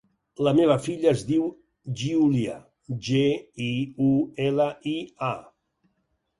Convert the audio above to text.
La meva filla es diu Giulia: ge, i, u, ela, i, a.